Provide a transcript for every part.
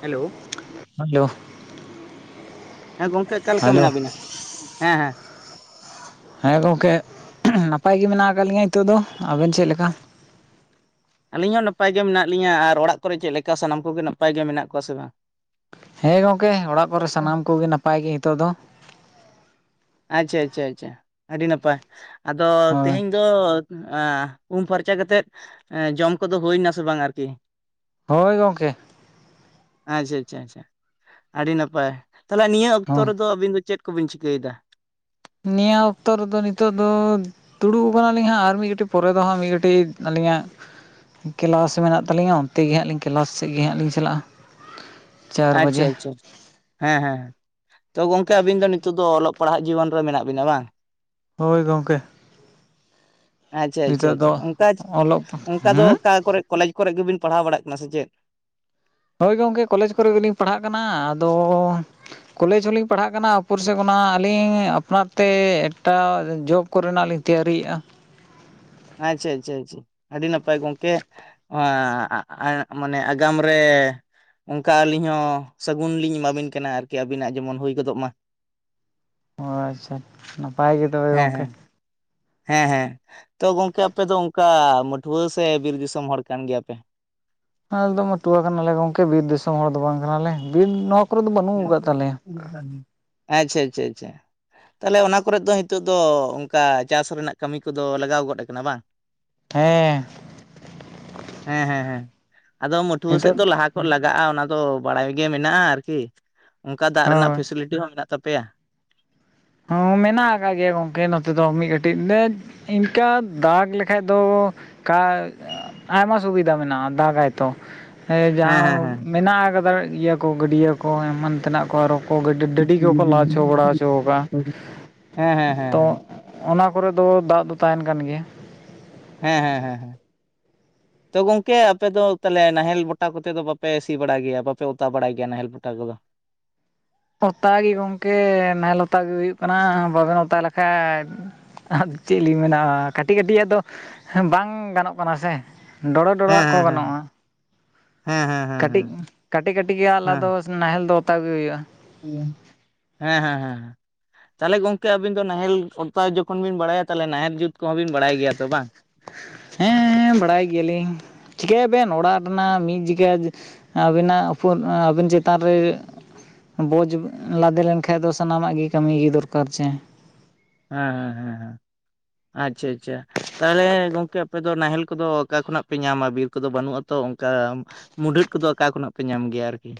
Hello? Hello? ᱦᱮᱸ ᱜᱚᱝᱠᱮ ᱟᱠᱟ ᱞᱮᱠᱟ ᱦᱮᱞᱳ ᱢᱮᱱᱟᱜ ᱵᱤᱱᱟ? ᱦᱮᱸ ᱦᱮᱸ, ᱦᱮᱸ ᱜᱚᱝᱠᱮ ᱱᱟᱯᱟᱭ ᱜᱮ ᱢᱮᱱᱟᱜ ᱟᱠᱟᱜ ᱞᱤᱧᱟᱹ ᱱᱤᱛᱚᱜ ᱫᱚ, ᱟᱵᱮᱱ ᱪᱮᱜ ᱞᱮᱠᱟ? ᱟᱹᱞᱤᱧ ᱦᱚᱸ ᱱᱟᱯᱟᱭ ᱜᱮ ᱢᱮᱱᱟᱜ ᱞᱤᱧᱟᱹ ᱟᱨ ᱚᱲᱟᱜ ᱠᱚᱨᱮ ᱪᱮᱜ ᱞᱮᱠᱟ ᱥᱟᱱᱟᱢ ᱠᱚᱜᱮ ᱱᱟᱯᱟᱭ ᱜᱮ ᱢᱮᱱᱟᱜ ᱠᱚᱣᱟ ᱥᱮ ᱵᱟᱝ? ᱦᱮᱸ ᱜᱚᱝᱠᱮ ᱚᱲᱟᱜ ᱠᱚᱨᱮ ᱥᱟᱱᱟᱢ ᱠᱚᱜᱮ ᱱᱟᱯᱟᱭ ᱜᱮ ᱦᱮᱛᱚᱜ ᱫᱚ᱾ ᱟᱪᱪᱷᱟ ᱟᱪᱪᱷᱟ ᱟᱪᱪᱷᱟ ᱟᱹᱰᱤ ᱱᱟᱯᱟᱭ, ᱟᱫᱚ ᱦᱳᱭ ᱛᱮᱦᱮᱧ ᱫᱚ ᱮᱸ ᱩᱢ ᱯᱷᱟᱨᱪᱟ ᱠᱟᱛᱮᱜ ᱡᱚᱢ ᱠᱚᱫᱚ ᱦᱩᱭᱱᱟᱥᱮ ᱵᱟᱝ ᱟᱨᱠᱤ? ᱦᱳᱭ ᱜᱚᱝᱠᱮ᱾ ᱟᱪᱪᱷᱟ ᱟᱪᱪᱷᱟ ᱟᱪᱪᱷᱟ ᱟᱹᱰᱤ ᱱᱟᱯᱟᱭ, ᱛᱟᱦᱞᱮ ᱱᱤᱭᱟᱹ ᱚᱠᱛᱚ ᱦᱚᱸ ᱨᱮᱫᱚ ᱟᱹᱵᱤᱱ ᱫᱚ ᱪᱮᱫ ᱠᱚ ᱵᱤᱱ ᱪᱤᱠᱟᱹᱭᱫᱟ? ᱱᱤᱭᱟᱹ ᱚᱠᱛᱚ ᱨᱮᱫᱚ ᱱᱤᱛᱚᱜ ᱫᱚ ᱛᱩᱲᱩᱵ ᱟᱠᱟᱱᱟᱞᱤᱧ ᱦᱟᱸᱜ ᱟᱨ ᱢᱤᱜ ᱜᱟᱹᱴᱤᱜ ᱯᱚᱨᱮ ᱫᱚ ᱦᱟᱸᱜ ᱢᱤᱜ ᱜᱟᱹᱴᱤᱜ ᱟᱹᱞᱤᱧᱟᱜ ᱠᱮᱞᱟᱥ ᱢᱮᱱᱟᱜ ᱛᱟᱹᱞᱤᱧᱟ ᱚᱱᱛᱮ ᱜᱮ ᱦᱟᱸᱜ ᱠᱮᱞᱟᱥ ᱥᱮᱜ ᱜᱮ ᱦᱟᱸᱜ ᱞᱤᱧ ᱪᱟᱞᱟᱜᱼᱟ᱾ ᱪᱟᱨ ᱟᱪᱪᱷᱟ ᱵᱟᱡᱮ ᱟᱪᱪᱷᱟ᱾ ᱦᱮᱸ ᱦᱮᱸ, ᱛᱚ ᱜᱚᱝᱠᱮ ᱟᱹᱵᱤᱱ ᱫᱚ ᱱᱤᱛᱚᱜ ᱫᱚ ᱚᱞᱚᱜ ᱯᱟᱲᱦᱟᱜ ᱡᱤᱵᱚᱱ ᱨᱮ ᱢᱮᱱᱟᱜ ᱵᱤᱱᱟ ᱵᱟᱝ? ᱦᱳᱭ ᱜᱚᱝᱠᱮ ᱾ ᱟᱪᱪᱷᱟ ᱟᱪᱪᱷᱟ ᱫᱚ ᱟᱪᱪᱷᱟ ᱚᱝᱠᱟ ᱚᱞᱚᱜ ᱚᱝᱠᱟ ᱫᱚ ᱦᱩᱸ ᱚᱠᱟ ᱠᱚᱨᱮ? ᱠᱚᱞᱮᱡᱽ ᱠᱚᱨᱮ ᱜᱮᱵᱤᱱ ᱯᱟᱲᱦᱟᱣ ᱵᱟᱲᱟᱜ ᱠᱟᱱᱟ ᱥᱮ ᱪᱮᱫ? ᱦᱳᱭ ᱜᱚᱝᱠᱮ ᱠᱚᱞᱮᱡᱽ ᱠᱚᱨᱮ ᱜᱮᱞᱤᱧ ᱯᱟᱲᱦᱟᱜ ᱠᱟᱱᱟ ᱟᱫᱚᱻ ᱠᱚᱞᱮᱡᱽ ᱦᱚᱸᱞᱤᱧ ᱯᱟᱲᱦᱟᱜ ᱠᱟᱱᱟ ᱩᱯᱚᱨᱥᱮᱫ ᱠᱷᱚᱱᱟᱜ ᱟᱹᱞᱤᱧ ᱟᱯᱱᱟᱨ ᱛᱮ ᱮᱠᱴᱟ ᱡᱚᱵ ᱠᱚᱨᱮᱱᱟᱜ ᱞᱤᱧ ᱛᱮᱭᱟᱨᱤᱜᱼᱟ᱾ ᱟᱪᱪᱷᱟ ᱟᱪᱪᱷᱟ ᱟᱪᱪᱷᱟ ᱪᱷᱟ ᱟᱹᱰᱤ ᱱᱟᱯᱟᱭ ᱜᱚᱝᱠᱮ᱾ [unintelligible] ᱢᱟᱱᱮ ᱟᱜᱟᱢ ᱨᱮ ᱚᱝᱠᱟ ᱟᱹᱞᱤᱧ ᱦᱚᱸ ᱥᱟᱹᱜᱩᱱ ᱞᱤᱧ ᱮᱢᱟᱵᱤᱱ ᱠᱟᱱᱟ ᱟᱨᱠᱤ ᱟᱹᱵᱤᱱᱟᱜ ᱡᱮᱢᱚᱱ ᱦᱩᱭ ᱜᱚᱫᱚᱜ ᱢᱟ᱾ ᱟᱪᱪᱷᱟ ᱱᱟᱯᱟᱭ ᱜᱮ ᱛᱚᱵᱮ ᱦᱮᱸ ᱜᱚᱝᱠᱮ᱾ ᱦᱮᱸ ᱦᱮᱸ ᱦᱮᱸ᱾ ᱛᱚ ᱜᱚᱝᱠᱮ ᱟᱯᱮ ᱫᱚ ᱚᱝᱠᱟ ᱢᱟᱹᱴᱷᱩᱣᱟᱹ ᱥᱮ ᱵᱤᱨ ᱫᱤᱥᱚᱢ ᱦᱚᱲ ᱠᱟᱱ ᱜᱮᱭᱟᱯᱮ? ᱟᱞᱮᱫᱚ ᱢᱟᱹᱴᱩᱣᱟ ᱠᱟᱱᱟᱞᱮ ᱜᱚᱝᱠᱮ ᱵᱤᱨ ᱫᱤᱥᱚᱢ ᱦᱚᱲ ᱫᱚ ᱵᱟᱝ ᱠᱟᱱᱟᱞᱮ ᱵᱤᱨ ᱱᱚᱣᱟ ᱠᱚᱨᱮ ᱫᱚ ᱵᱟᱹᱱᱩᱜ ᱟᱠᱟᱫ ᱛᱟᱞᱮᱭᱟ᱾ ᱟᱪᱪᱷᱟ ᱟᱪᱪᱷᱟ ᱟᱪᱪᱷᱟ᱾ ᱛᱟᱦᱚᱞᱮ ᱚᱱᱟ ᱠᱚᱨᱮᱫ ᱫᱚ ᱱᱤᱛᱚᱜ ᱫᱚ ᱚᱱᱠᱟ ᱪᱟᱥ ᱨᱮᱱᱟᱜ ᱠᱟᱹᱢᱤ ᱠᱚᱫᱚ ᱞᱟᱜᱟᱣ ᱜᱚᱫ ᱟᱠᱟᱱᱟ ᱵᱟᱝ? [inaudible] ᱦᱮᱸ᱾ ᱦᱮᱸ ᱦᱮᱸ ᱦᱮᱸ ᱟᱫᱚ ᱢᱟᱹᱴᱷᱣᱟᱹ ᱥᱮᱫ ᱱᱤᱛᱚᱜ ᱫᱚ ᱞᱟᱦᱟ ᱠᱚ ᱞᱟᱜᱟᱜᱼᱟ᱾ ᱚᱱᱟ ᱫᱚ ᱵᱟᱲᱟᱭ ᱜᱮ ᱢᱮᱱᱟᱜᱼᱟ ᱟᱨᱠᱤ ᱚᱱᱠᱟ ᱫᱟᱜ ᱨᱮᱱᱟᱜ ᱦᱳᱭ ᱯᱷᱮᱥᱤᱞᱤᱴᱤ ᱦᱚᱸ ᱢᱮᱱᱟᱜ ᱛᱟᱯᱮᱭᱟ᱾ ᱦᱚᱸ ᱢᱮᱱᱟᱜ ᱟᱠᱟᱫ ᱜᱮᱭᱟ ᱜᱚᱝᱠᱮ ᱱᱚᱛᱮ ᱫᱚ ᱢᱤᱫ ᱠᱟᱹᱴᱤᱡ ᱞᱮ ᱤᱱᱠᱟᱹ ᱫᱟᱜᱽ ᱞᱮᱠᱷᱟᱡ ᱫᱚ ᱠᱟ ᱟᱭᱢᱟ ᱥᱩᱵᱤᱫᱷᱟ ᱢᱮᱱᱟᱜᱼᱟ᱾ ᱫᱟᱜᱟᱭᱛᱚ᱾ ᱦᱮᱸ ᱡᱟᱦᱟᱸ ᱢᱮᱱᱟᱜ ᱠᱟᱫᱟ ᱤᱭᱟᱹ ᱠᱚ ᱜᱟᱹᱰᱭᱟᱹ ᱠᱚ ᱮᱢᱟᱱ ᱛᱮᱱᱟᱜ ᱠᱚ ᱟᱨᱚ [unintelligible] ᱚ ᱦᱮᱸ ᱰᱟᱹᱰᱤ ᱜᱮᱠᱚ ᱦᱮᱸ ᱞᱟ ᱪᱚ ᱦᱮᱸ ᱵᱟᱲᱟ ᱦᱚᱪᱚ ᱠᱟᱜᱼᱟ᱾ ᱦᱮᱸ ᱦᱮᱸ᱾ ᱛᱚ ᱚᱱᱟ ᱠᱚᱨᱮ ᱫᱚ ᱫᱟᱜ ᱫᱚ ᱛᱟᱦᱮᱱ ᱠᱟᱱ ᱜᱮᱭᱟ᱾ ᱦᱮᱸ ᱦᱮᱸ ᱦᱮᱸ ᱦᱮᱸ᱾ ᱛᱚ ᱜᱚᱝᱠᱮ ᱟᱯᱮ ᱫᱚ ᱛᱟᱦᱚᱞᱮ ᱱᱟᱦᱮᱞ ᱵᱚᱴᱟ ᱠᱚᱛᱮ ᱫᱚ ᱵᱟᱯᱮ ᱥᱤ ᱵᱟᱲᱟᱭ ᱜᱮᱭᱟ ᱵᱟᱯᱮ ᱚᱛᱟ ᱵᱟᱲᱟᱭ ᱜᱮᱭᱟ? ᱱᱟᱦᱮᱞ ᱵᱚᱴᱟ ᱠᱚᱫᱚ᱾ ᱚᱛᱟ ᱜᱮ ᱜᱚᱝᱠᱮ ᱱᱟᱦᱮᱞ ᱚᱛᱟᱜᱮ ᱦᱩᱭᱩᱜ ᱠᱟᱱᱟ ᱵᱟᱵᱮᱱ ᱚᱛᱟ ᱞᱮᱠᱷᱟᱡ ᱟ ᱪᱮᱫ ᱞᱤᱧ ᱢᱮᱱᱟ ᱠᱟᱹᱴᱤᱡ ᱠᱟᱹᱴᱤᱡᱟᱜ ᱫᱚ ᱵᱟᱝ ᱜᱟᱱᱚᱜ ᱠᱟᱱᱟ ᱥᱮ᱾ ᱰᱚᱲᱚ ᱦᱮᱸ ᱰᱚᱲᱚᱣᱟᱜ ᱠᱚ ᱦᱮᱸ ᱜᱟᱱᱚᱜᱼᱟ ᱦᱮᱸ ᱦᱮᱸ ᱦᱮᱸ᱾ ᱠᱟᱹᱴᱤᱡ ᱠᱟᱹᱴᱤᱡ ᱠᱟᱹᱴᱤᱡ ᱜᱮ ᱟᱞᱟ ᱫᱚ ᱦᱮᱸ ᱱᱟᱦᱮᱞ ᱫᱚ ᱚᱛᱟ ᱜᱮ ᱦᱩᱭᱩᱜᱼᱟ᱾ ᱦᱮᱸ ᱦᱮᱸ ᱦᱮᱸ᱾ ᱛᱟᱦᱚᱞᱮ ᱜᱚᱝᱠᱮ ᱟᱵᱤᱱ ᱫᱚ ᱱᱟᱦᱮᱞ ᱚᱛᱟ ᱡᱚᱠᱷᱚᱱ ᱵᱤᱱ ᱵᱟᱲᱟᱭᱟ ᱛᱟᱦᱚᱞᱮ ᱱᱟᱦᱮᱞ ᱡᱩᱛ ᱠᱚᱦᱚᱸ ᱵᱤᱱ ᱵᱟᱲᱟᱭ ᱜᱮᱭᱟ? ᱛᱚ ᱵᱟᱝ᱾ ᱦᱮᱸᱻᱵᱟᱲᱟᱭ ᱜᱮᱭᱟᱞᱤᱧ ᱪᱤᱠᱟᱭᱟ ᱵᱮᱱ ᱚᱲᱟᱜ ᱨᱮᱱᱟᱜ ᱢᱤᱫ ᱡᱤᱜᱟ ᱟᱹᱵᱤᱱᱟᱜ ᱩᱯᱚᱨ ᱟᱵᱤᱱ ᱪᱮᱛᱟᱱ ᱨᱮ ᱵᱚᱡᱽ ᱞᱟᱫᱮ ᱞᱮᱱᱠᱷᱟᱡ ᱫᱚ ᱥᱟᱱᱟᱢᱟᱜ ᱜᱮ ᱠᱟᱹᱢᱤ ᱜᱮ ᱫᱚᱨᱠᱟᱨ ᱪᱮ᱾ ᱦᱮᱸ ᱦᱮᱸ ᱦᱮᱸ ᱦᱮᱸ ᱟᱪᱪᱷᱟ ᱟᱪᱪᱷᱟ᱾ ᱛᱟᱦᱚᱞᱮ ᱜᱚᱝᱠᱮ ᱟᱯᱮ ᱫᱚ ᱱᱟᱦᱮᱞ ᱠᱚᱫᱚ ᱚᱠᱟ ᱠᱷᱚᱱᱟᱜ ᱯᱮ ᱧᱟᱢᱟ ᱵᱤᱨ ᱠᱚᱫᱚ ᱵᱟᱹᱱᱩᱜ ᱟᱛᱚ ᱚᱝᱠᱟ ᱢᱩᱰᱷᱟᱹᱫ ᱠᱚᱫᱚ ᱚᱠᱟ ᱠᱷᱚᱱᱟᱜ ᱯᱮ ᱧᱟᱢ ᱜᱮᱭᱟ ᱟᱨᱠᱤ?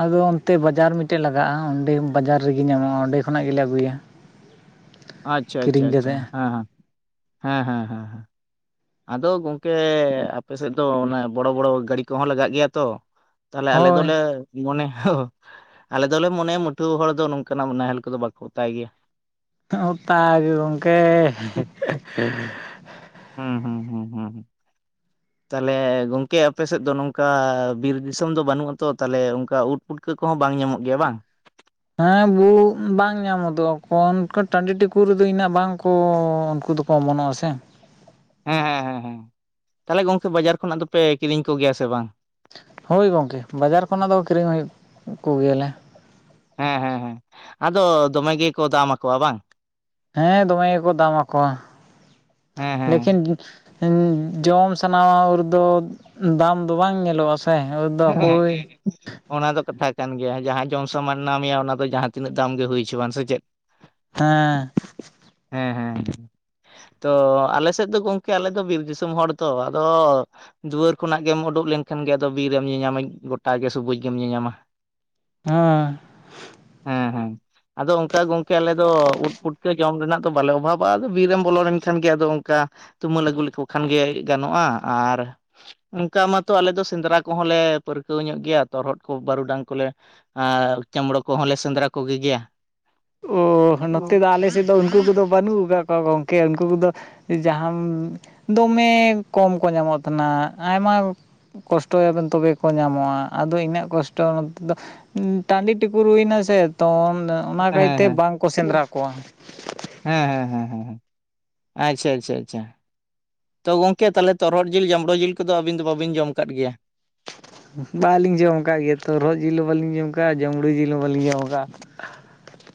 ᱟᱫᱚ ᱚᱱᱛᱮ ᱵᱟᱡᱟᱨ ᱢᱤᱫᱴᱮᱡ ᱞᱟᱜᱟᱜᱼᱟ᱾ ᱚᱸᱰᱮ ᱵᱟᱡᱟᱨ ᱨᱮᱜᱮ ᱧᱟᱢᱚᱜᱼᱟ᱾ ᱚᱸᱰᱮ ᱠᱷᱚᱱᱟᱜ ᱜᱮᱞᱮ ᱟᱹᱜᱩᱭᱟ᱾ ᱟᱪᱪᱷᱟ ᱟᱪᱪᱷᱟ ᱠᱤᱨᱤᱧ ᱟᱪᱪᱷᱟ ᱠᱟᱛᱮᱫ ᱦᱮᱸ ᱦᱮᱸ ᱦᱮᱸ ᱦᱮᱸ ᱦᱮᱸ᱾ ᱟᱫᱚ ᱜᱚᱝᱠᱮ ᱟᱯᱮ ᱥᱮᱫ ᱫᱚ ᱚᱱᱟ ᱵᱚᱲᱚ ᱵᱚᱲᱚ ᱜᱟᱹᱲᱤ ᱠᱚᱦᱚᱸ ᱞᱟᱜᱟᱜ ᱜᱮᱭᱟ ᱛᱚ᱾ ᱛᱟᱦᱚᱞᱮ ᱟᱞᱮ ᱦᱳᱭ ᱫᱚᱞᱮ ᱢᱚᱱᱮ ᱟᱞᱮ ᱫᱚᱞᱮ ᱢᱚᱱᱮᱭᱟ ᱢᱩᱴᱷᱣᱟᱹ ᱦᱚᱲ ᱫᱚ ᱱᱚᱝᱠᱟᱱ ᱟᱜ ᱱᱟᱦᱮᱞ ᱠᱚᱫᱚ ᱵᱟᱠᱚ ᱚᱛᱟᱭ ᱜᱮᱭᱟ [unintelligible] ᱦᱩᱸ ᱦᱩᱸ᱾ ᱦᱩᱸ ᱦᱩᱸ᱾ ᱛᱟᱦᱞᱮ ᱜᱚᱝᱠᱮ ᱟᱯᱮᱥᱮᱫ ᱫᱚ ᱱᱚᱝᱠᱟ ᱵᱤᱨ ᱫᱤᱥᱚᱢ ᱫᱚ ᱵᱟᱹᱱᱩᱜ ᱟᱛᱚ ᱛᱟᱦᱚᱞᱮ ᱚᱱᱠᱟ ᱩᱫ ᱯᱩᱴᱠᱟᱹ ᱠᱚᱦᱚᱸ ᱵᱟᱝ ᱧᱟᱢᱚᱜ ᱜᱮᱭᱟ ᱵᱟᱝ? ᱦᱮᱸ ᱵᱩ ᱵᱟᱝ ᱧᱟᱢᱚᱫᱚᱜ ᱠᱚᱱ ᱴᱟᱺᱰᱤ ᱴᱩᱠᱩ ᱨᱮᱫᱚ ᱤᱱᱟᱹᱜ ᱵᱟᱝᱠᱚ ᱩᱱᱠᱩ ᱫᱚ ᱠᱚ ᱚᱢᱚᱱᱚᱜ ᱟ ᱥᱮ᱾ ᱦᱮᱸ ᱦᱮᱸ ᱦᱮᱸ ᱦᱮᱸ ᱛᱟᱦᱚᱞᱮ ᱜᱚᱢᱠᱮ ᱵᱟᱡᱟᱨ ᱠᱷᱚᱱᱟᱜ ᱫᱚᱯᱮ ᱠᱤᱨᱤᱧ ᱠᱚᱜᱮᱭᱟ ᱥᱮ ᱵᱟᱝ? ᱦᱳᱭ ᱜᱚᱝᱠᱮ ᱵᱟᱡᱟᱨ ᱠᱷᱚᱱᱟᱜ ᱫᱚ ᱠᱤᱨᱤᱧ ᱦᱩᱭ ᱠᱚᱜᱮᱭᱟᱞᱮ᱾ ᱦᱮᱸ ᱦᱮᱸ ᱦᱮᱸ ᱟᱫᱚ ᱫᱚᱢᱮ ᱜᱮᱠᱚ ᱫᱟᱢ ᱟᱠᱚᱣᱟ ᱵᱟᱝ? ᱦᱮᱸ ᱫᱚᱢᱮ ᱜᱮᱠᱚ ᱫᱟᱢ ᱟᱠᱚᱣᱟ ᱦᱮᱸ ᱦᱮᱸ ᱞᱮᱠᱤᱱ ᱡᱚᱢ ᱥᱟᱱᱟᱣᱟ ᱨᱮᱫᱚ ᱫᱟᱢ ᱫᱚ ᱵᱟᱝ ᱧᱮᱞᱚᱜᱼᱟ ᱥᱮ ᱥᱮ ᱩᱫ ᱫᱚ ᱯᱩᱭ ᱚᱱᱟ ᱫᱚ ᱠᱟᱛᱷᱟ ᱠᱟᱱ ᱜᱮᱭᱟ ᱡᱟᱦᱟᱸ ᱡᱚᱢ ᱥᱟᱢᱟᱱ ᱱᱟ ᱢᱮᱭᱟ ᱚᱱᱟ ᱫᱚ ᱡᱟᱦᱟᱸ ᱛᱤᱱᱟᱹᱜ ᱫᱟᱢ ᱜᱮ ᱦᱩᱭ ᱪᱚᱣᱟᱱ ᱥᱮ ᱪᱮᱫ? ᱦᱮᱸ᱾ ᱦᱮᱸ ᱦᱮᱸ᱾ ᱛᱚ ᱟᱞᱮ ᱥᱮᱫ ᱫᱚ ᱜᱚᱝᱠᱮ ᱟᱞᱮ ᱫᱚ ᱵᱤᱨ ᱫᱤᱥᱚᱢ ᱦᱚᱲ ᱛᱚ ᱟᱫᱚ ᱫᱩᱣᱟᱹᱨ ᱠᱷᱚᱱᱟᱜ ᱜᱮᱢ ᱩᱰᱩᱠ ᱞᱮᱱᱠᱷᱟᱱ ᱜᱮ ᱟᱫᱚ ᱵᱤᱨ ᱨᱮᱢ ᱧᱮᱞ ᱧᱟᱢᱟ ᱜᱚᱴᱟ ᱜᱮ ᱥᱚᱵᱩᱡ ᱜᱮᱢ ᱧᱮᱞ ᱧᱟᱢᱟ᱾ ᱦᱮᱸ᱾ ᱦᱮᱸ ᱦᱮᱸ᱾ ᱟᱫᱚ ᱚᱱᱠᱟ ᱜᱚᱝᱠᱮ ᱟᱞᱮ ᱫᱚ ᱩᱫ ᱯᱩᱴᱠᱟᱹ ᱡᱚᱢ ᱨᱮᱱᱟᱜ ᱫᱚ ᱵᱟᱞᱮ ᱚᱵᱷᱟᱵᱚᱜᱼᱟ ᱟᱫᱚ ᱵᱤᱨ ᱨᱮᱢ ᱵᱚᱞᱚ ᱞᱮᱱᱠᱷᱟᱱ ᱜᱮ ᱟᱫᱚ ᱚᱝᱠᱟ ᱛᱩᱢᱟᱹᱞ ᱟᱹᱜᱩ ᱞᱮᱠᱚ ᱠᱷᱟᱱ ᱜᱮ ᱜᱟᱱᱚᱜᱼᱟ ᱟᱨ ᱚᱱᱠᱟ ᱢᱟᱛᱚ ᱟᱞᱮ ᱫᱚ ᱥᱮᱸᱫᱽᱨᱟ ᱠᱚᱦᱚᱸ ᱞᱮ ᱯᱟᱹᱨᱠᱟᱹᱣ ᱧᱚᱜ ᱜᱮᱭᱟ ᱛᱚᱨᱦᱚᱫ ᱠᱚ ᱵᱟᱹᱨᱩᱰᱟᱝ ᱠᱚᱞᱮ ᱟᱨ ᱡᱟᱢᱲᱳ ᱠᱚᱦᱚᱸ ᱞᱮ ᱥᱮᱸᱫᱽᱨᱟ ᱠᱚᱜᱮ ᱜᱮᱭᱟ᱾ ᱚ ᱱᱚᱛᱮ ᱦᱮᱸ ᱫᱚ ᱟᱞᱮ ᱥᱮ ᱱᱮ ᱫᱚ ᱩᱱᱠᱩ ᱠᱚᱫᱚ ᱵᱟᱹᱱᱩᱜ ᱠᱟᱜ ᱠᱚᱣᱟ ᱜᱚᱝᱠᱮ ᱩᱱᱠᱩ ᱠᱚᱫᱚ ᱡᱟᱦᱟᱢ ᱫᱚᱢᱮ ᱠᱚᱢ ᱠᱚ ᱧᱟᱢᱚᱜ ᱛᱟᱦᱮᱱᱟ, ᱟᱭᱢᱟ ᱠᱚᱥᱴᱚᱭᱟᱹ ᱵᱮᱱ ᱛᱚᱵᱮ ᱠᱚ ᱧᱟᱢᱚᱜᱼᱟ ᱟᱫᱚ ᱤᱱᱟᱹᱜ ᱠᱚᱥᱴᱚ ᱱᱚᱛᱮ ᱫᱚ ᱴᱟᱺᱰᱤ ᱴᱤᱠᱩᱨᱩᱨ ᱦᱩᱭ ᱱᱟᱥᱮ ᱛᱚ ᱚᱱᱟ ᱠᱟᱭ ᱦᱮᱸ ᱦᱮᱸ ᱦᱮᱸ, ᱟᱪᱪᱷᱟ ᱟᱪᱪᱷᱟ ᱟᱪᱪᱷᱟ᱾ ᱛᱚ ᱜᱚᱝᱠᱮ ᱛᱟᱦᱚᱞᱮ ᱛᱚᱨᱚᱦᱚᱫ ᱡᱤᱞ ᱡᱟᱸᱲᱳ ᱡᱤᱞ ᱠᱚᱫᱚᱹ ᱟᱹᱵᱤᱱ ᱫᱚ ᱵᱟᱵᱤᱱ ᱡᱚᱢ ᱟᱠᱟᱫ ᱜᱮᱭᱟ? ᱵᱟᱹᱞᱤᱧ ᱡᱚᱢ ᱠᱟᱜ ᱜᱮ ᱛᱚ ᱨᱚᱨᱚᱦᱚᱫ ᱡᱤᱞ ᱦᱚᱸ ᱵᱟᱹᱞᱤᱧ ᱡᱚᱢ ᱠᱟᱜᱼᱟ ᱡᱚᱢᱲᱤ ᱡᱤᱞ ᱦᱚᱸ ᱵᱟᱹᱞᱤᱧ ᱡᱚᱢ ᱠᱟᱜᱼᱟ᱾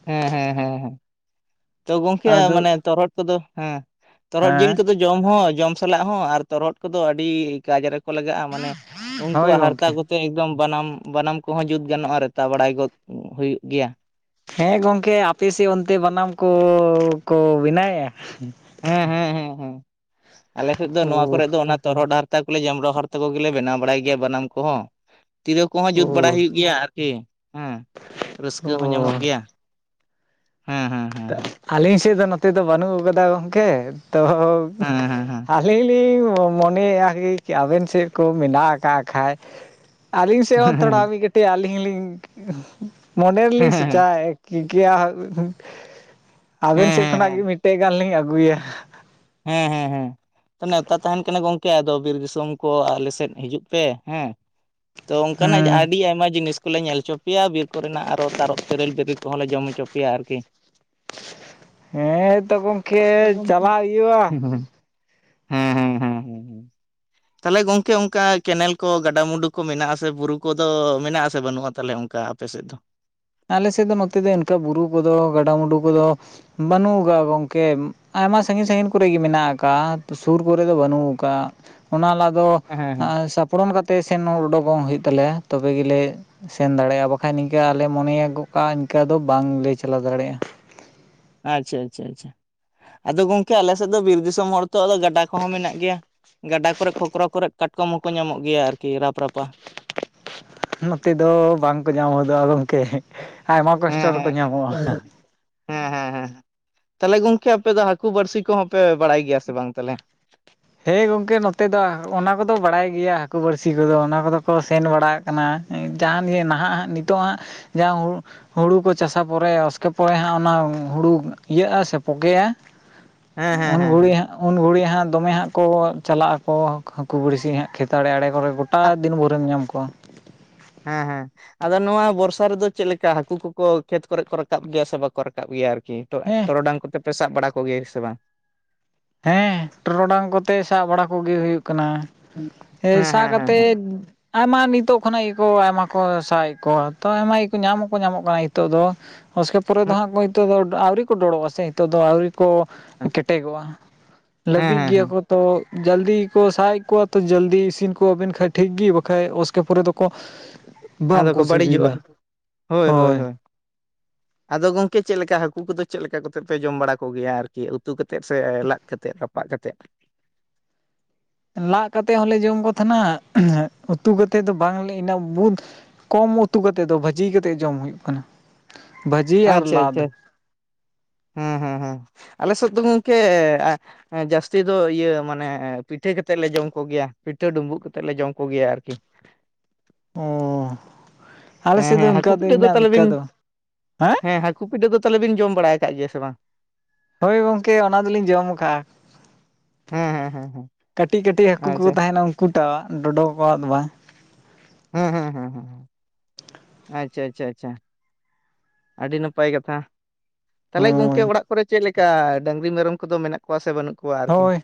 ᱦᱮᱸ ᱦᱮᱸ ᱦᱮᱸ᱾ ᱦᱮᱸ ᱛᱚ ᱜᱚᱝᱠᱮ ᱟᱫᱚ ᱢᱟᱱᱮ ᱛᱚᱨᱦᱚᱫ ᱠᱚᱫᱚ ᱦᱮᱸ, ᱛᱚᱨᱦᱚᱫ ᱡᱤᱞ ᱦᱮᱸ ᱠᱚᱫᱚᱹ ᱡᱚᱢ ᱦᱚᱸ ᱡᱚᱢ ᱥᱟᱞᱟᱜ ᱦᱚᱸ ᱟᱨ ᱛᱚᱨᱚᱦᱚᱫ ᱠᱚᱫᱚ ᱟᱹᱰᱤ ᱠᱟᱡ ᱨᱮᱠᱚ ᱞᱟᱜᱟᱜᱼᱟ ᱢᱟᱱᱮ ᱦᱳᱭ ᱩᱱᱠᱩᱣᱟᱜ ᱦᱟᱨᱛᱟ ᱜᱚᱝᱠᱮ ᱠᱚᱛᱮ ᱮᱠᱫᱚᱢ ᱵᱟᱱᱟᱢ ᱵᱟᱱᱟᱢ ᱠᱚᱦᱚᱸ ᱡᱩᱛ ᱜᱟᱱᱚᱜᱼᱟ ᱨᱮᱛᱟ ᱵᱟᱲᱟᱭ ᱜᱚᱫ ᱦᱩᱭᱩᱜ ᱜᱮᱭᱟ᱾ ᱦᱮᱸ ᱜᱚᱝᱠᱮ ᱟᱯᱮᱥᱮᱫ ᱚᱱᱛᱮ ᱵᱟᱱᱟᱢ ᱠᱚᱸ ᱠᱚᱸ ᱵᱮᱱᱟᱣᱮᱜ-ᱟ? ᱦᱮᱸ ᱦᱮᱸ ᱦᱮᱸ, ᱟᱞᱮᱥᱮᱫ ᱫᱚ ᱱᱚᱣᱟ ᱳ ᱠᱚᱨᱮ ᱫᱚ ᱚᱱᱟ ᱛᱚᱨᱦᱚᱫ ᱦᱟᱨᱛᱟ ᱠᱚᱞᱮ ᱡᱟᱢᱲᱳ ᱦᱟᱨᱛᱟ ᱠᱚᱜᱮᱞᱮ ᱵᱮᱱᱟᱣ ᱵᱟᱲᱟᱭ ᱜᱮᱭᱟ ᱵᱟᱱᱟᱢ ᱠᱚᱦᱚᱸ᱾ ᱛᱤᱨᱟᱹ ᱠᱚᱦᱚᱸ ᱡᱩᱛ ᱵᱟᱲᱟ ᱳ ᱦᱩᱭᱩᱜ ᱟᱨᱠᱤ ᱦᱮᱸ ᱨᱟᱹᱥᱠᱟᱹ ᱳ ᱧᱟᱢᱚᱜ ᱜᱮᱭᱟ᱾ ᱦᱮᱸ ᱦᱮᱸ᱾ ᱦᱮᱸ ᱟᱹᱞᱤᱧ ᱥᱮᱫ ᱫᱚ ᱱᱚᱛᱮ ᱫᱚ ᱵᱟᱹᱱᱩᱜ ᱟᱠᱟᱫᱟ ᱜᱚᱝᱠᱮ ᱛᱚᱸ ᱦᱮᱸ ᱦᱮᱸ ᱟᱹᱞᱤᱧ ᱞᱤᱧ ᱢᱚᱱᱮᱭᱮᱜᱼᱟ ᱟᱸᱵᱮᱱ ᱥᱮᱫ ᱠᱚ ᱢᱮᱱᱟᱜ ᱟᱠᱟᱫ ᱠᱷᱟᱡ᱾ ᱟᱹᱞᱤᱧ ᱥᱮᱫ ᱦᱮᱸ ᱦᱚᱸ ᱛᱷᱚᱲᱟ ᱠᱟᱹᱴᱤᱡ ᱟᱹᱞᱤᱧ ᱢᱚᱱᱮ ᱨᱮᱞᱤᱧ ᱦᱮᱸ ᱦᱮᱸ ᱥᱮᱪᱟᱣ ᱴᱷᱤᱠᱮᱭᱟ ᱟᱸᱵᱮᱱ ᱦᱮᱸ ᱥᱮᱫ ᱦᱮᱸ ᱠᱷᱚᱱᱟᱜ ᱦᱮᱸ ᱜᱮ ᱢᱤᱫᱴᱮᱱ ᱜᱟᱱ ᱞᱤᱧ ᱟᱹᱜᱩᱭᱼᱟ᱾ ᱦᱮᱸ ᱦᱮᱸ ᱦᱮᱸ ᱾ ᱱᱮᱣᱛᱟ ᱛᱟᱦᱮᱱ ᱠᱟᱱᱟ ᱜᱚᱝᱠᱮ ᱟᱫᱚ ᱵᱤᱨ ᱫᱤᱥᱚᱢ ᱠᱚ ᱟᱞᱮ ᱥᱮᱫ ᱦᱤᱡᱩᱜ ᱯᱮ ᱦᱮᱸ᱾ ᱛᱚ ᱚᱱᱠᱟ ᱦᱮᱸ [unintelligible] ᱟᱹᱰᱤ ᱟᱭᱢᱟ ᱡᱤᱱᱤᱥ ᱠᱚᱞᱮ ᱧᱮᱞ ᱦᱚᱪᱚ ᱯᱮᱭᱟ ᱵᱤᱨ ᱠᱚᱨᱮᱱᱟᱜ ᱟᱨᱚ ᱛᱟᱨᱚᱯ ᱛᱮᱨᱮᱞ ᱵᱮᱵᱤ ᱠᱚᱦᱚᱸ ᱞᱮ ᱡᱚᱢ ᱦᱚᱪᱚ ᱯᱮᱭᱟ ᱟᱨᱹᱠᱤ᱾ ᱦᱮᱸ ᱛᱚ ᱜᱚᱢᱠᱮ ᱪᱟᱞᱟᱜ ᱦᱩᱭᱩᱜ-ᱟ ᱾ ᱦᱩᱸ [inaudible] ᱦᱮᱸ ᱦᱮᱸ ᱦᱮᱸ ᱦᱮᱸ ᱾ ᱛᱟᱦᱚᱞᱮ ᱜᱚᱝᱠᱮ ᱚᱱᱠᱟ ᱠᱮᱱᱮᱞ ᱠᱚ ᱜᱟᱰᱟ ᱢᱩᱰᱩ ᱠᱚ ᱢᱮᱱᱟᱜ ᱟᱥᱮ ᱵᱩᱨᱩ ᱠᱚᱫᱚ ᱢᱮᱱᱟᱜ ᱟᱥᱮ ᱵᱟᱹᱱᱩᱜ-ᱟ ᱛᱟᱦᱚᱞᱮ ᱚᱱᱠᱟ ᱾ ᱟᱯᱮ ᱥᱮᱫ ᱫᱚ ᱟᱞᱮᱥᱮᱫ ᱫᱚ ᱱᱚᱛᱮ ᱫᱚ ᱤᱱᱠᱟ ᱵᱩᱨᱩ ᱠᱚᱫᱚ ᱜᱟᱰᱟ ᱢᱩᱰᱩ ᱠᱚᱫᱚ ᱵᱟᱹᱱᱩᱜ ᱟᱠᱟᱜ-ᱟ ᱜᱚᱢᱠᱮ ᱟᱭᱢᱟ ᱥᱟᱺᱜᱤᱧ ᱥᱟᱺᱜᱤᱧ ᱠᱚᱮᱜ ᱜᱮ ᱢᱮᱱᱟᱜ ᱟᱠᱟᱫ-ᱟ ᱥᱩᱨ ᱠᱚᱨᱮ ᱫᱚ ᱵᱟᱹᱱᱩᱜ ᱟᱠᱟᱜ-ᱟ ᱾ ᱚᱱᱟ ᱞᱟᱦᱟ ᱫᱚ ᱦᱮᱸ ᱦᱮᱸ ᱻ ᱥᱟᱯ ᱯᱷᱚᱱ ᱠᱟᱛᱮ ᱥᱮᱱ ᱦᱚᱸ ᱩᱰᱠᱚᱜ ᱦᱩᱭᱩᱜ ᱛᱟᱞᱮᱭᱟ ᱛᱚᱵᱮ ᱜᱮᱞᱮ ᱥᱮᱱ ᱫᱟᱲᱮᱭᱟᱜ-ᱟ ᱵᱟᱠᱷᱟᱡ ᱱᱤᱝᱠᱟᱹ ᱟᱞᱮ ᱢᱚᱱᱮᱭ ᱜᱚᱜᱠᱟᱜ-ᱟ ᱤᱱᱠᱟᱹ ᱫᱚ ᱵᱟᱝᱞᱮ ᱪᱟᱞᱟᱣ ᱫᱟᱲᱮᱭᱟᱜ-ᱟ᱾ ᱟᱪᱪᱷᱟ ᱟᱪᱪᱷᱟ ᱟᱪᱪᱷᱟ ᱾ ᱟᱫᱚ ᱜᱚᱝᱠᱮ ᱟᱞᱮ ᱥᱮᱫ ᱫᱚ ᱵᱤᱨ ᱫᱤᱥᱚᱢ ᱦᱚᱲ ᱛᱚ ᱜᱟᱰᱟ ᱠᱚᱦᱚᱸ ᱢᱮᱱᱟᱜ ᱜᱮᱭᱟ᱾ ᱜᱟᱰᱟ ᱠᱚᱨᱮ ᱠᱷᱚᱠᱨᱚ ᱠᱚᱨᱮ ᱠᱟᱴᱠᱚᱢ ᱦᱚᱸᱠᱚ ᱧᱟᱢᱚᱜ ᱜᱮᱭᱟ ᱟᱨᱠᱤ ᱨᱟᱯ ᱨᱟᱯᱟ᱾ [inaudible] ᱱᱚᱛᱮ ᱫᱚ ᱵᱟᱝᱠᱚ ᱧᱟᱢ ᱦᱚᱫᱚᱜ-ᱟ ᱜᱚᱝᱠᱮ᱾ ᱟᱭᱢᱟ ᱠᱚᱥᱴᱚ ᱠᱟᱛᱮ ᱦᱮᱸ ᱦᱮᱸ ᱧᱟᱢᱚᱜ-ᱟ᱾ ᱦᱮᱸ ᱦᱮᱸ ᱦᱮᱸ ᱛᱟᱦᱚᱞᱮ ᱜᱚᱝᱠᱮ ᱟᱯᱮ ᱫᱚ ᱦᱟᱹᱠᱩ ᱵᱟᱹᱲᱥᱤ ᱠᱚᱦᱚᱸ ᱯᱮ ᱵᱟᱲᱟᱭ ᱜᱮᱭᱟ ᱥᱮ ᱵᱟᱝ ᱛᱟᱦᱚᱞᱮ? ᱦᱮᱸ ᱜᱚᱝᱠᱮ ᱱᱚᱛᱮ ᱫᱚ ᱚᱱᱟ ᱠᱚᱫᱚ ᱵᱟᱲᱟᱭ ᱜᱮᱭᱟ ᱦᱟᱹᱠᱩ ᱵᱟᱹᱲᱥᱤ ᱠᱚᱫᱚ ᱚᱱᱟ ᱠᱚᱫᱚ ᱠᱚ ᱥᱮᱱ ᱵᱟᱲᱟᱜ ᱠᱟᱱᱟ ᱡᱟᱦᱟᱱ ᱡᱮ ᱱᱟᱦᱟᱜ ᱦᱟᱜ ᱱᱤᱛᱚᱜ ᱦᱟᱜ ᱡᱟᱦᱟ ᱦᱩ ᱦᱩᱲᱩ ᱠᱚ ᱪᱟᱥᱟ ᱯᱚᱨᱮ ᱚᱥᱠᱮ ᱯᱚᱨᱮ ᱦᱟᱸᱜ ᱚᱱᱟ ᱦᱩᱲᱩ ᱤᱭᱟᱹᱜ-ᱟ ᱥᱮ ᱯᱚᱠᱮᱜ-ᱟ ᱦᱮᱸ ᱦᱮᱸ ᱩᱱ ᱦᱮᱸ ᱜᱷᱩᱲᱤ ᱦᱟᱸᱜ ᱩᱱ ᱜᱷᱩᱲᱤ ᱦᱟᱸᱜ ᱫᱚᱢᱮ ᱦᱟᱸᱜ ᱠᱚ ᱪᱟᱞᱟᱜ ᱟᱠᱚ ᱦᱟᱹᱠᱩ ᱵᱟᱹᱲᱥᱤ ᱦᱟᱸᱜ ᱠᱷᱮᱛ ᱟᱲᱮ ᱟᱲᱮ ᱠᱚᱨᱮ ᱜᱚᱴᱟ ᱦᱮᱸ ᱫᱤᱱ ᱵᱷᱳᱨᱮᱢ ᱧᱟᱢ ᱠᱚᱣᱟ᱾ ᱦᱮᱸ ᱦᱮᱸ ᱾ ᱟᱫᱚ ᱱᱚᱣᱟ ᱵᱚᱨᱥᱟ ᱨᱮᱫᱚ ᱪᱮᱫ ᱞᱮᱠᱟ ᱦᱟᱹᱠᱩ ᱠᱚᱠᱚ ᱠᱷᱮᱛ ᱠᱚᱨᱮ ᱠᱚ ᱨᱟᱠᱟᱵ ᱜᱮᱭᱟ ᱥᱮ ᱵᱟᱠᱚ ᱨᱟᱠᱟᱵ ᱜᱮᱭᱟ ᱟᱨᱠᱤ ᱾ ᱴᱚ ᱦᱮᱸ ᱴᱚᱨᱚᱰᱟᱝ ᱠᱚᱛᱮ ᱯᱮ ᱵᱟᱲᱟ ᱠᱚᱜᱮᱭᱟ ᱥᱮ ᱵᱟᱝ? ᱦᱮᱸ ᱴᱚᱨᱚᱰᱟᱝ ᱠᱚᱛᱮ ᱥᱟᱵ ᱵᱟᱲᱟ ᱠᱚᱜᱮ ᱦᱩᱭᱩᱜ ᱠᱟᱱᱟ᱾ ᱦᱮᱸ ᱥᱟᱵ ᱦᱮᱸ ᱦᱮᱸ ᱠᱟᱛᱮᱫ ᱟᱭᱢᱟ ᱱᱤᱛᱚᱜ ᱠᱷᱚᱱᱟᱜ ᱜᱮᱠᱚ ᱟᱭᱢᱟ ᱠᱚ ᱥᱟᱵᱮᱫ ᱠᱚᱣᱟ ᱛᱚ ᱟᱭᱢᱟ ᱠᱚ ᱧᱟᱢ ᱦᱚᱸᱠᱚ ᱧᱟᱢᱚᱜ ᱠᱟᱱᱟ ᱱᱤᱛᱚᱜ ᱫᱚ᱾ ᱩᱥᱠᱮ ᱯᱚᱨᱮ ᱫᱚ ᱦᱟᱸᱜ ᱠᱚ ᱱᱤᱛᱚᱜ ᱫᱚ ᱟᱹᱣᱨᱤ ᱠᱚ ᱵᱚᱲᱚᱜ-ᱟ ᱥᱮ ᱱᱤᱛᱚᱜ ᱫᱚ ᱟᱹᱣᱨᱤ ᱠᱚ ᱠᱮᱴᱮᱡᱚᱜ-ᱟ᱾ ᱦᱮᱸ ᱞᱟᱹᱵᱤᱜ ᱦᱮᱸ ᱜᱮᱭᱟ ᱦᱮᱸ ᱠᱚ᱾ ᱛᱚ ᱡᱟᱞᱫᱤ ᱠᱚ ᱥᱟᱜ-ᱮᱫ ᱠᱚᱣᱟ ᱛᱚ ᱡᱟᱞᱫᱤ ᱤᱥᱤᱱ ᱠᱚᱣᱟᱵᱮᱱ ᱠᱷᱟᱡ ᱴᱷᱤᱠ ᱜᱮ ᱵᱟᱠᱷᱟᱡ ᱚᱥᱠᱮ ᱯᱚᱨᱮ ᱫᱚᱠᱚ ᱟᱫᱚ ᱠᱚ ᱵᱟᱝᱠᱚ ᱵᱟᱹᱲᱤᱡᱚᱜ-ᱟ ᱥᱤᱵᱤᱞᱟ ᱾ [inaudible] ᱦᱳᱭ ᱦᱳᱭ ᱦᱳᱭ ᱾ [inaudible] ᱟᱫᱚ ᱜᱚᱝᱠᱮ ᱪᱮᱫ ᱞᱮᱠᱟ ᱦᱟᱹᱠᱩ ᱠᱚᱫᱚ ᱪᱮᱫ ᱞᱮᱠᱟ ᱠᱟᱛᱮᱫ ᱯᱮ ᱡᱚᱢ ᱵᱟᱲᱟ ᱠᱚᱜᱮᱭᱟ ᱟᱨᱠᱤ ᱩᱛᱩ ᱠᱟᱛᱮᱫ ᱥᱮ ᱞᱟᱫ ᱠᱟᱛᱮᱫ ᱨᱟ ᱯᱟᱜ ᱠᱟᱛᱮᱫ? ᱞᱟᱜ ᱠᱟᱛᱮᱫ ᱦᱚᱞᱮ ᱡᱚᱢ ᱠᱚ ᱛᱟᱦᱮᱱᱟ ᱩᱛᱩ ᱠᱟᱛᱮᱫ ᱫᱚ ᱵᱟᱝᱞᱮ ᱤᱱᱟᱹ ᱵᱩᱫ ᱠᱚᱢ ᱩᱛᱩ ᱠᱟᱛᱮᱫ ᱫᱚ ᱵᱷᱟᱹᱡᱤ ᱠᱟᱛᱮᱫ ᱡᱚᱢ ᱦᱩᱭᱩᱜ ᱠᱟᱱᱟ᱾ ᱵᱷᱟᱹᱡᱤ ᱟᱨ ᱟᱪᱪᱷᱟ ᱟᱪᱪᱷᱟ ᱞᱟᱫ ᱾ [inaudible] ᱦᱮᱸ ᱦᱮᱸ ᱦᱮᱸ ᱟᱞᱮ ᱥᱮᱫ ᱫᱚ ᱜᱚᱝᱠᱮ ᱦᱮᱸ ᱡᱟᱹᱥᱛᱤ ᱫᱚ ᱤᱭᱟᱹ ᱢᱟᱱᱮ ᱯᱤᱴᱷᱟᱹ ᱠᱟᱛᱮᱫ ᱞᱮ ᱡᱚᱢ ᱠᱚᱜᱮᱭᱟ ᱯᱤᱴᱷᱟᱹ ᱰᱩᱢᱵᱩᱜ ᱠᱟᱛᱮᱫ ᱞᱮ ᱡᱚᱢ ᱠᱚᱜᱮᱭᱟ ᱟᱨᱠᱤ᱾ ᱚ [inaudible] ᱟᱞᱮ ᱦᱮᱸ ᱥᱮᱫ ᱫᱚ ᱦᱮᱸ ᱦᱟᱹᱠᱩ ᱚᱱᱠᱟ ᱫᱚ ᱯᱤᱴᱷᱟᱹ ᱤᱱᱟ ᱚᱱᱠᱟ ᱫᱚ ᱦᱮᱸ ᱠᱩ ᱯᱤᱴᱷᱟᱹ ᱫᱚ ᱛᱟᱦᱞᱮ ᱵᱤᱱ ᱡᱚᱢ ᱵᱟᱲᱟ ᱟᱠᱟᱫ ᱜᱮᱭᱟ ᱥᱮ ᱵᱟᱝ? ᱦᱳᱭ ᱜᱚᱝᱠᱮ ᱚᱱᱟ ᱫᱚᱞᱤᱧ ᱡᱚᱢ ᱟᱠᱟᱫ-ᱟ ᱾ ᱦᱮᱸ ᱦᱮᱸ ᱦᱮᱸ ᱦᱮᱸ [inaudible] ᱠᱟᱹᱴᱤᱡ ᱠᱟᱹᱴᱤᱡ ᱦᱟᱹᱠᱩ ᱠᱚᱠᱚ ᱟᱪᱪᱷᱟ ᱛᱟᱦᱮᱱᱟ ᱩᱱᱠᱩᱴᱟᱜ ᱰᱚᱰᱚ ᱠᱚᱣᱟ ᱫᱚ ᱵᱟᱝ᱾ ᱦᱮᱸ-ᱦᱮᱸ-ᱦᱮᱸ-ᱦᱮᱸ-ᱦᱮᱸ ᱾ ᱟᱪᱪᱷᱟ-ᱟᱪᱪᱷᱟ-ᱟᱪᱪᱷᱟ [inaudible] ᱟᱹᱰᱤ ᱱᱟᱯᱟᱭ ᱠᱟᱛᱷᱟ᱾ ᱛᱟᱞᱦᱮ ᱜᱚᱝᱠᱮ ᱦᱳᱭ ᱚᱲᱟᱜ ᱠᱚᱨᱮ ᱪᱮᱫ ᱞᱮᱠᱟ ᱰᱟᱹᱝᱨᱤ ᱢᱮᱨᱚᱢ ᱠᱚᱫᱚ ᱢᱮᱱᱟᱜ ᱠᱚᱣᱟ ᱥᱮ ᱵᱟᱹᱱᱩᱜ ᱠᱚᱣᱟ? ᱟᱨᱠᱤ ᱦᱳᱭ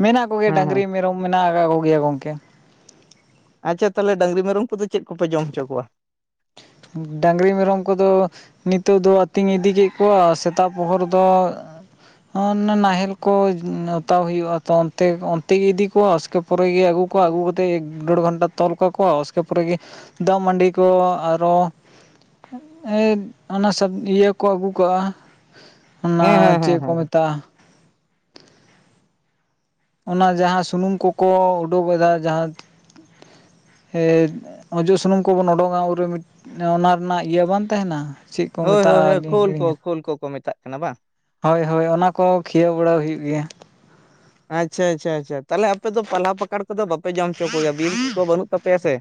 ᱢᱮᱱᱟᱜ ᱠᱚᱜᱮᱭᱟ ᱦᱮᱸ ᱦᱮᱸ ᱰᱟᱹᱝᱨᱤ ᱢᱮᱨᱚᱢ ᱢᱮᱱᱟᱜ ᱟᱠᱟᱫ ᱠᱚᱜᱮᱭᱟ ᱜᱚᱝᱠᱮ᱾ ᱟᱪᱪᱷᱟ ᱛᱟᱦᱚᱞᱮ ᱰᱟᱝᱨᱤ ᱢᱮᱨᱚᱢ ᱠᱚᱫᱚ ᱪᱮᱫ ᱠᱚᱯᱮ ᱡᱚᱢ ᱦᱚᱪᱚ ᱠᱚᱣᱟ? ᱰᱟᱝᱨᱤ ᱢᱮᱨᱚᱢ ᱠᱚᱫᱚ ᱱᱤᱛᱚᱜ ᱫᱚ ᱟᱹᱛᱤᱧ ᱤᱫᱤ ᱠᱮᱫ ᱠᱚᱣᱟ ᱥᱮᱛᱟᱜ ᱯᱚᱦᱚᱨ ᱫᱚ ᱱᱟᱦᱮᱞ ᱠᱚ ᱚᱛᱟᱣ ᱦᱩᱭᱩᱜᱼᱟ ᱛᱚ ᱚᱱᱛᱮ ᱚᱱᱛᱮ ᱜᱮ ᱤᱫᱤ ᱠᱚᱣᱟ ᱩᱥᱠᱮ ᱯᱚᱨᱮᱜᱮ ᱟᱹᱜᱩ ᱠᱚ ᱟᱹᱜᱩ ᱠᱟᱛᱮ ᱮᱠ ᱰᱮᱲ ᱜᱷᱚᱱᱴᱟ ᱛᱚᱞ ᱠᱟᱠᱚᱣᱟ ᱩᱥᱠᱮ ᱯᱚᱨᱮ ᱜᱮ ᱫᱟᱜ ᱢᱟᱰᱤ ᱠᱚ ᱟᱨᱚ ᱚᱱᱟ ᱥᱟ ᱤᱭᱟᱹ ᱠᱚ ᱟᱹᱜᱩ ᱠᱟᱜᱼᱟ ᱚᱱᱟ ᱦᱮᱸ ᱦᱮᱸ ᱪᱮᱫ ᱦᱮᱸ ᱠᱚ ᱦᱮᱸ ᱢᱮᱛᱟᱜᱼᱟ ᱚᱱᱟ ᱡᱟᱦᱟᱸ ᱥᱩᱱᱩᱢ ᱠᱚᱠᱚ ᱩᱰᱩᱠ ᱮᱫᱟ ᱡᱟᱦᱟᱸ ᱦᱮ ᱚᱡᱚᱜ ᱥᱩᱱᱩᱢ ᱠᱚᱵᱚᱱ ᱚᱰᱚᱝᱼᱟ ᱩᱱᱨᱮ ᱢᱤᱫ ᱚᱱᱟ ᱨᱮᱱᱟᱜ ᱤᱭᱟᱹ ᱵᱟᱝ ᱛᱟᱦᱮᱱᱟ ᱪᱮᱫ ᱠᱚ ᱦᱳᱭ ᱦᱳᱭ ᱢᱮᱛᱟᱜᱼᱟ ᱦᱳᱭ ᱟᱹᱞᱤᱧ ᱠᱷᱳᱞ ᱠᱚ ᱦᱤᱲᱤᱧ ᱠᱷᱳᱞ ᱠᱚᱠᱚ ᱢᱮᱛᱟᱜ ᱠᱟᱱᱟ ᱵᱟᱝ ᱦᱳᱭ ᱦᱳᱭ ᱚᱱᱟ ᱠᱚ ᱠᱷᱤᱭᱟᱹᱣ ᱵᱟᱲᱟ ᱦᱩᱭᱩᱜ ᱜᱮᱭᱟ᱾ ᱟᱪᱪᱷᱟ, ᱟᱪᱪᱷᱟ, ᱟᱪᱪᱷᱟ ᱛᱟᱦᱚᱞᱮ ᱟᱯᱮ ᱫᱚ ᱯᱟᱞᱦᱟ ᱯᱟᱠᱟᱲ ᱠᱚᱫᱚ ᱵᱟᱯᱮ ᱡᱚᱢ ᱦᱚᱪᱚ ᱠᱚᱜᱮᱭᱟ ᱵᱤᱨ ᱫᱚ ᱵᱟᱹᱱᱩᱜ ᱛᱟᱯᱮᱭᱟ ᱥᱮ᱾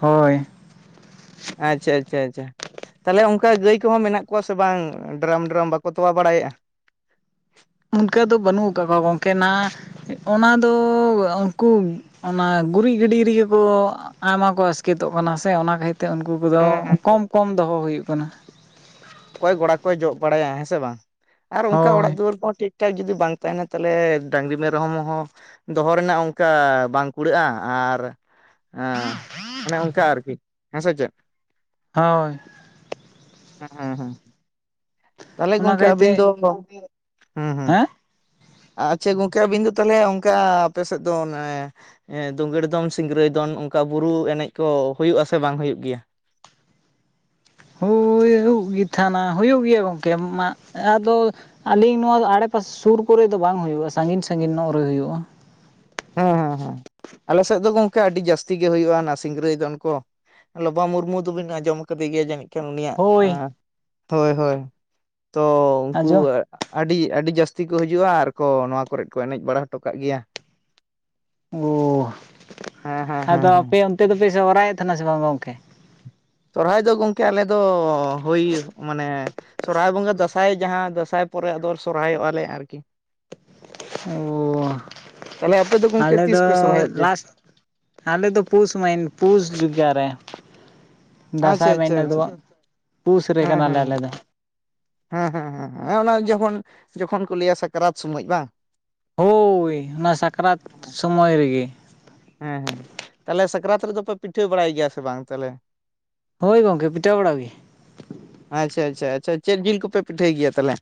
ᱦᱳᱭ ᱟᱪᱪᱷᱟ, ᱟᱪᱪᱷᱟ, ᱟᱪᱪᱷᱟ ᱛᱟᱦᱚᱞᱮ ᱚᱱᱠᱟ ᱜᱟᱹᱭ ᱠᱚᱦᱚᱸ ᱢᱮᱱᱟᱜ ᱠᱚᱣᱟ ᱥᱮ ᱵᱟᱝ ᱰᱨᱟᱢ ᱰᱨᱟᱢ ᱵᱟᱠᱚ ᱛᱚᱣᱟ ᱵᱟᱲᱟᱭᱮᱫᱼᱟ? ᱚᱱᱠᱟᱹ ᱫᱚ ᱵᱟᱹᱱᱩᱜ ᱟᱠᱟᱫ ᱠᱚᱣᱟ ᱜᱚᱝᱠᱮ ᱱᱟ ᱚᱱᱟ ᱫᱚ ᱩᱱᱠᱩ ᱚᱱᱟ ᱜᱩᱨᱤᱡ ᱜᱤᱰᱤ ᱨᱮᱜᱮ ᱠᱚ ᱟᱭᱢᱟ ᱠᱚ ᱟᱥᱠᱮᱛᱚᱜ ᱠᱟᱱᱟ ᱥᱮ ᱚᱱᱟ ᱠᱷᱟᱹᱛᱤᱨ᱾ ᱛᱮ ᱩᱱᱠᱩ ᱠᱚᱫᱚ ᱦᱮᱸ ᱦᱮᱸ ᱠᱚᱢ ᱠᱚᱢ ᱫᱚᱦᱚ ᱦᱩᱭᱩᱜ ᱠᱟᱱᱟ᱾ ᱚᱠᱚᱭ ᱜᱚᱲᱟ ᱠᱚᱭ ᱡᱚᱜ ᱵᱟᱲᱟᱭᱟ ᱦᱮᱸ ᱥᱮ ᱵᱟᱝ ᱟᱨ ᱚᱱᱠᱟ ᱚᱲᱟᱜ ᱦᱳᱭ ᱫᱩᱣᱟᱹᱨ ᱠᱚᱦᱚᱸ ᱴᱷᱤᱠ ᱴᱷᱟᱠ ᱡᱩᱫᱤ ᱵᱟᱝ ᱛᱟᱦᱮᱱᱟ ᱛᱟᱦᱚᱞᱮ ᱰᱟᱝᱨᱤ ᱢᱮᱨᱚᱢ ᱦᱚᱸ ᱫᱚᱦᱚ ᱨᱮᱱᱟᱜ ᱚᱱᱠᱟ ᱵᱟᱝ ᱠᱩᱲᱟᱹᱜᱼᱟ ᱟᱨ ᱚᱱᱮ ᱚᱱᱠᱟ ᱟᱨᱠᱤ ᱦᱮᱸ ᱥᱮ ᱪᱮᱫ ᱦᱳᱭ ᱦᱮᱸ ᱦᱮᱸ ᱦᱮᱸ ᱛᱟᱦᱚᱞᱮ ᱚᱱᱟ ᱜᱚᱝᱠᱮ ᱠᱷᱟᱹᱛᱤᱨ ᱛᱮ ᱟᱵᱤᱱ ᱫᱚ ᱦᱮᱸ ᱟᱪᱪᱷᱟ ᱜᱚᱝᱠᱮ ᱟᱵᱤᱱ ᱫᱚ ᱛᱟᱦᱞᱮ ᱚᱱᱠᱟ ᱟᱯᱮ ᱥᱮᱫ ᱫᱚ ᱚᱱᱮ ᱫᱩᱝᱜᱟᱹᱲ ᱫᱚᱱ ᱥᱤᱝᱨᱟᱹᱭ ᱫᱚᱱ ᱚᱱᱠᱟ ᱵᱩᱨᱩ ᱮᱱᱮᱡ ᱠᱚ ᱦᱩᱭᱩᱜ ᱟᱥᱮ ᱵᱟᱝ ᱦᱩᱭᱩᱜ ᱜᱮᱭᱟ? ᱦᱩᱭᱩᱜ ᱜᱮ ᱛᱟᱦᱮᱱᱟ ᱦᱩᱭᱩᱜ ᱜᱮᱭᱟ ᱜᱚᱢᱠᱮ ᱢᱟ ᱟᱫᱚ ᱟᱹᱞᱤᱧ ᱱᱚᱣᱟ ᱟᱲᱮᱯᱟᱥᱮ ᱥᱩᱨ ᱠᱚᱨᱮ ᱫᱚ ᱵᱟᱝ ᱦᱩᱭᱩᱜᱼᱟ ᱥᱟᱺᱜᱤᱧ ᱥᱟᱺᱜᱤᱧ ᱧᱚᱜ ᱨᱮ ᱦᱩᱭᱩᱜᱼᱟ। ᱦᱮᱸ ᱦᱮᱸ ᱦᱮᱸ ᱟᱞᱮ ᱥᱮᱫ ᱫᱚ ᱜᱚᱢᱠᱮ ᱟᱹᱰᱤ ᱡᱟᱹᱥᱛᱤ ᱜᱮ ᱦᱩᱭᱩᱜᱼᱟ ᱚᱱᱟ ᱥᱤᱝᱨᱟᱹᱭ ᱫᱚᱱ ᱠᱩ ᱞᱚᱵᱟ ᱢᱩᱨᱢᱩ ᱫᱚᱵᱤᱱ ᱟᱡᱚᱸᱢ ᱠᱟᱫᱮ ᱜᱮᱭᱟ ᱡᱟᱹᱱᱤᱡ ᱮᱠᱮᱱ ᱩᱱᱤᱭᱟᱜ ᱦᱳᱭ ᱦᱳᱭ ᱦᱳᱭ ᱛᱚ ᱩᱱᱠᱩ ᱟᱸᱡᱚᱢ ᱟᱹᱰᱤ ᱟᱹᱰᱤ ᱡᱟᱹᱥᱛᱤ ᱠᱚ ᱦᱤᱡᱩᱜᱼᱟ ᱟᱨ ᱠᱚ ᱱᱚᱣᱟ ᱠᱚᱨᱮᱫ ᱠᱚ ᱮᱱᱮᱡ ᱵᱟᱲᱟ ᱦᱚᱴᱚ ᱠᱟᱜ ᱜᱮᱭᱟ। ᱚᱻ ᱦᱮᱸ ᱦᱮᱸ ᱦᱮᱸ ᱟᱫᱚ ᱦᱮᱸ ᱟᱯᱮ ᱚᱱᱛᱮ ᱫᱚᱯᱮ ᱥᱨᱟᱭᱮᱫ ᱛᱟᱦᱮᱱᱟ ᱥᱮ ᱵᱟᱝ ᱜᱚᱢᱠᱮ ᱥᱚᱨᱚᱦᱟᱭ ᱫᱚ ᱜᱚᱢᱠᱮ ᱫᱚ ᱦᱳᱭ ᱢᱟᱱᱮ ᱥᱚᱨᱦᱟᱭ ᱵᱚᱸᱜᱟ ᱫᱟᱸᱥᱟᱭ ᱡᱟᱦᱟᱸ ᱫᱟᱸᱥᱟᱭ ᱯᱚᱨᱮ ᱟᱫᱚ ᱥᱚᱨᱦᱟᱭᱚᱜᱼᱟᱞᱮ ᱟᱨᱠᱤ ᱚ ᱛᱟᱦᱚᱞᱮ ᱟᱯᱮ ᱫᱚ ᱜᱚᱝᱠᱮ ᱟᱞᱮᱫ ᱛᱤᱥ ᱫᱚ ᱯᱮ ᱥᱚᱨᱦᱟᱭᱚᱜ ᱜᱮᱭᱟ? ᱞᱟᱥᱴ। ᱟᱞᱮ ᱫᱚ ᱯᱩᱥ ᱢᱟᱭᱤᱱ ᱯᱩᱥ ᱡᱩᱜᱟ ᱨᱮ ᱟᱪᱪᱷᱟ ᱫᱟᱸᱥᱟᱭ ᱟᱪᱪᱷᱟ ᱢᱟᱹᱦᱱᱟᱹ ᱫᱚ ᱟᱪᱪᱷᱟ ᱯᱩᱥ ᱨᱮ ᱦᱮᱸ ᱠᱟᱱᱟᱞᱮ ᱟᱞᱮ ᱫᱚ ᱦᱮᱸ ᱦᱮᱸ ᱦᱮᱸ ᱦᱩᱸᱻ ᱚᱱᱟ ᱡᱚᱠᱷᱚᱱ ᱡᱚᱠᱷᱚᱱ ᱠᱚ ᱞᱟᱹᱭᱟ ᱥᱟᱠᱨᱟᱛ ᱥᱚᱢᱚᱭ ᱵᱟᱝ ᱦᱳᱭ ᱚᱱᱟ ᱥᱟᱠᱨᱟᱛ ᱥᱚᱢᱚᱭ ᱨᱮᱜᱮ ᱦᱮᱸ ᱦᱮᱸ ᱛᱟᱦᱞᱮ ᱥᱟᱠᱨᱟᱛ ᱨᱮᱫᱚ ᱯᱮ ᱯᱤᱴᱷᱟᱹ ᱵᱟᱲᱟᱭ ᱜᱮᱭᱟ ᱥᱮ ᱵᱟᱝ ᱛᱟᱞᱮ? ᱦᱳᱭ ᱜᱚᱝᱠᱮ ᱯᱤᱴᱷᱟᱹ ᱵᱟᱲᱟ ᱜᱤ᱾ ᱟᱪᱪᱷᱟ ᱟᱪᱪᱷᱟ ᱟᱪᱪᱷᱟ ᱪᱮᱫ ᱡᱤᱞ ᱠᱚᱯᱮ ᱯᱤᱴᱷᱟᱹᱭ ᱜᱮᱭᱟ ᱛᱟᱞᱦᱮ?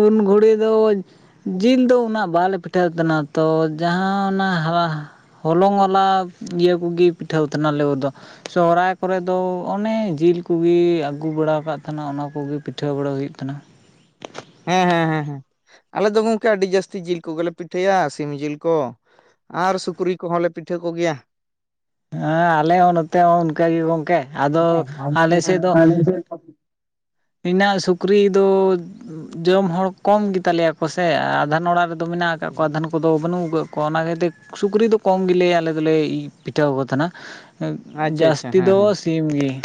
ᱩᱱ ᱜᱷᱩᱲᱤ ᱫᱚ ᱡᱤᱞ ᱫᱚ ᱩᱱᱟᱹᱜ ᱵᱟᱞᱮ ᱯᱤᱴ ᱴᱟᱹ ᱛᱟᱱᱟ ᱛᱚ ᱡᱟᱦᱟᱸ ᱚᱱᱟ ᱦᱟᱣᱟ ᱦᱚᱞᱚᱝ ᱚᱱᱟ ᱤᱭᱟᱹ ᱠᱚᱜᱤ ᱯᱤᱴᱷᱟᱹᱣ ᱛᱟᱱᱟᱞᱮ ᱩ ᱫᱚ᱾ ᱥᱚᱦᱨᱟᱭ ᱠᱚᱨᱮ ᱫᱚ ᱚᱱᱮ ᱡᱤᱞ ᱠᱩᱜᱤ ᱟᱹᱜᱩ ᱵᱟᱲᱟ ᱠᱟᱜ ᱛᱟᱦᱮᱱᱟ ᱚᱱᱟ ᱠᱩᱜᱤ ᱯᱤᱴᱷᱟᱹ ᱵᱟᱲᱟ ᱦᱩᱭᱩᱜ ᱛᱟᱱᱟ᱾ ᱦᱮᱸ ᱦᱮᱸ ᱦᱮᱸ ᱦᱮᱸ ᱟᱞᱮ ᱫᱚ ᱜᱚᱝᱠᱮ ᱟᱹᱰᱤ ᱡᱟᱹᱥᱛᱤ ᱡᱤᱞ ᱠᱚᱜᱮᱞᱮ ᱯᱤᱴᱷᱟᱹᱭᱟ ᱥᱤᱢ ᱡᱤᱞ ᱠᱚ᱾ ᱟᱨ ᱥᱩᱠᱨᱤ ᱠᱚᱦᱚᱸ ᱞᱮ ᱯᱤᱴᱷᱟᱹ ᱠᱚᱜᱮᱭᱟ᱾ ᱦᱮᱸ ᱟᱞᱮ ᱦᱚᱸ ᱱᱚᱛᱮ ᱦᱚᱸ ᱚᱱᱠᱟ ᱜᱤ ᱜᱚᱝᱠᱮ᱾ ᱟᱫᱚ ᱟᱞᱮ ᱥᱮᱫ ᱫᱚ ᱟᱪᱪᱷᱟ ᱤᱱᱟᱹᱜ ᱥᱩᱠᱨᱤ ᱫᱚ ᱡᱚᱢ ᱦᱚᱲ ᱠᱚᱢ ᱜᱮᱛᱟ ᱞᱮᱭᱟ ᱠᱚ ᱥᱮ ᱟᱫᱷᱮᱱ ᱚᱲᱟᱜ ᱨᱮ ᱫᱚ ᱢᱮᱱᱟᱜ ᱟᱠᱟᱜ ᱠᱚᱣᱟ ᱫᱷᱟᱱ ᱠᱚᱫᱚ ᱵᱟᱹᱱᱩᱜ ᱟᱠᱟᱜ ᱠᱚᱣᱟ ᱚᱱᱟ ᱠᱷᱟᱹᱛᱤᱨ ᱥᱩᱠᱨᱤ ᱫᱚ ᱠᱚᱢ ᱜᱮᱞᱮ ᱟᱞᱮ ᱫᱚᱞᱮ ᱯᱤᱴᱷᱟᱹᱣ ᱠᱚ ᱛᱟᱦᱮᱱᱟ᱾ ᱦᱮ ᱟᱪᱪᱷᱟ ᱡᱟᱹᱥᱛᱤ ᱦᱮᱸ ᱫᱚ ᱦᱮᱸ ᱥᱤᱢ ᱡᱤᱞ᱾